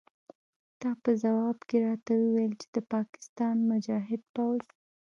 تا په ځواب کې راته وویل چې د پاکستان مجاهد پوځ.